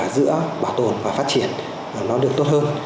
giữa bảo tồn và phát triển nó được tốt hơn